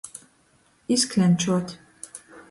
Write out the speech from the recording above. Izkļančuot.